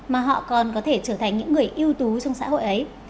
mà họ còn có thể trở thành những người yêu tú trong xã hội ấy